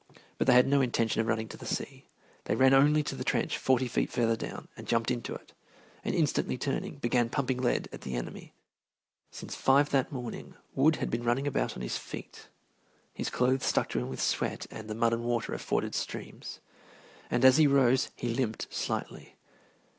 But they had no intention of running to the sea. They ran only to the trench forty feet farther down and jumped into it, and instantly turning, began pumping lead at the enemy. Since five that morning Wood had been running about on his feet, his clothes stuck to him with sweat and the mud and water of forded streams, and as he rose he limped slightly.